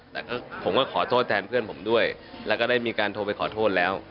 แต่ผมก็ขอโทษแทนเพื่อนผมด้วยแล้วก็ได้มีการโทรไปขอโทษแล้ว